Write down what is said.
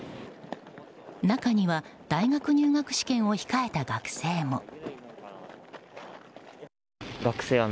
中には大学入学試験を控えた学生も。